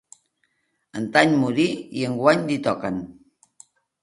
Antany morí i enguany li toquen.